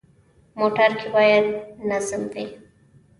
موټر کې باید نظم وي.